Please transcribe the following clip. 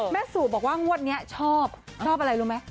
สู่บอกว่างวดนี้ชอบชอบอะไรรู้ไหม